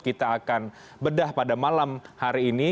kita akan bedah pada malam hari ini